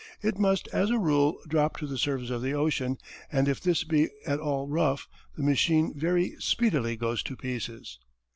It must, as a rule, drop to the surface of the ocean, and if this be at all rough the machine very speedily goes to pieces.